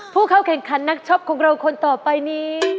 ผู้เข้าแข่งขันนักช็อปของเราคนต่อไปนี้